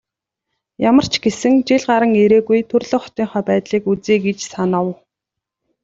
Ямар ч гэсэн жил гаран ирээгүй төрөлх хотынхоо байдлыг үзье гэж санав.